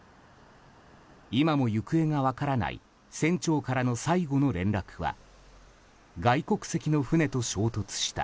今も行方が分からない船長からの最後の連絡は外国籍の船と衝突した。